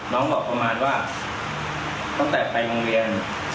บอกประมาณว่าตั้งแต่ไปโรงเรียน